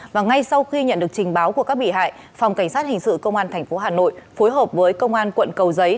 và ngay sau khi nhận được trình báo của các bị hại phòng cảnh sát hình sự công an tp hà nội phối hợp với công an quận cầu giấy